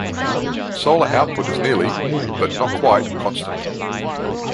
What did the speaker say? Solar output is nearly, but not quite, constant.